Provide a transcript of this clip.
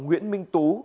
nguyễn minh tú